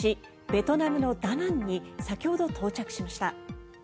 ベトナムのダナンに先ほど到着しました。